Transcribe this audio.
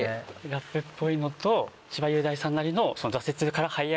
ラップっぽいのと千葉雄大さんなりの。